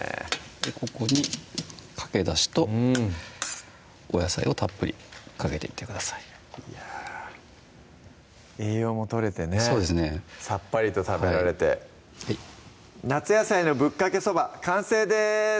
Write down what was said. ここにかけだしとお野菜をたっぷりかけていってくださいいや栄養も取れてねさっぱりと食べられて「夏野菜のぶっかけそば」完成です